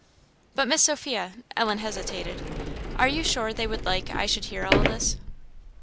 "But, Miss Sophia," Ellen hesitated, "are you sure they would like I should hear all this?"